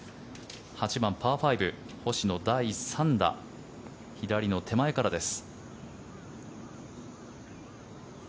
８番、パー５星野、第３打左の手前からです。